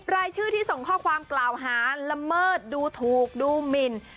รายชื่อที่ส่งข้อความกล่าวหาละเมิดดูถูกดูหมิน